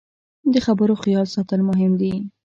د خبرو خیال ساتل مهم دي